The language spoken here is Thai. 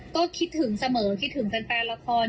ก็คิดถึงเสมอคิดถึงแฟนละคร